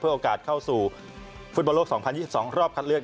โอกาสเข้าสู่ฟุตบอลโลก๒๐๒๒รอบคัดเลือก